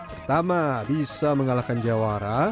pertama bisa mengalahkan jawara